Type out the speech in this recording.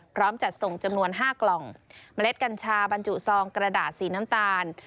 จัดส่งจำนวน๕กล่องเมล็ดกัญชาบรรจุซองกระดาษสีน้ำตาล